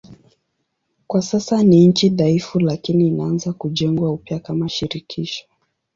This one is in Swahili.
Kwa sasa ni nchi dhaifu lakini inaanza kujengwa upya kama shirikisho.